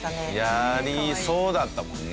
やりそうだったもんね